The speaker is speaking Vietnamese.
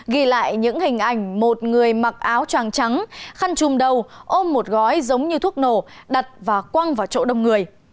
ghi lại những hình ảnh một người mặc áo tràng trắng khăn chùm đầu ôm một gói giống như thuốc nổ đặt và quăng vào chỗ đông người